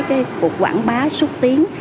cái cuộc quảng bá xuất tiến